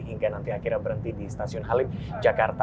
hingga nanti akhirnya berhenti di stasiun halim jakarta